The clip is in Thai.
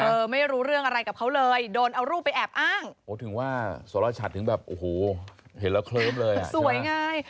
ไม่รู้เรื่องอะไรกับเขาเลยโดนเอารูปไปแอบอ้างโอ้ถึงว่าสรชัดถึงแบบโอ้โหเห็นแล้วเคลิ้มเลยอ่ะสวยง่าย